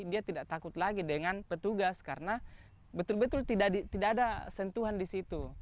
dia tidak takut lagi dengan petugas karena betul betul tidak ada sentuhan di situ